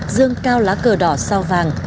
dương cao lá cờ đỏ sao vàng